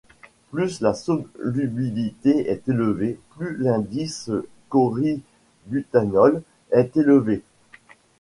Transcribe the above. Plus la solubilité est élevée, plus l'indice kauri-butanol est élevé.